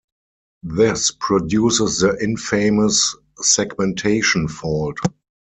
This produces the infamous segmentation fault.